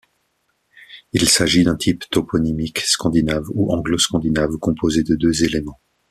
Il s'agit d'un type toponymique scandinave ou anglo-scandinave, composé de deux éléments.